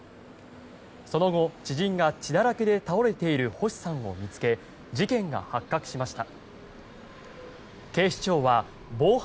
その後、知人が血だらけで倒れている星さんを見つけ事件が発覚しました。